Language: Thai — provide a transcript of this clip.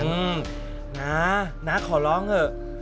มึงน้าน้าขอร้องเหอะ